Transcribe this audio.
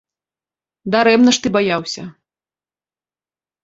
Дарэмна ж ты баяўся.